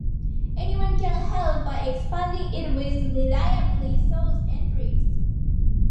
Anyone can help by expanding it with reliably sourced entries.